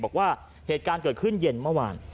บอกว่าเหตุการณ์เกิดขึ้นเย็นเมื่อวาน